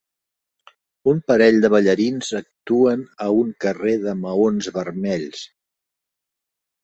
Un parell de ballarins actuen a un carrer de maons vermells.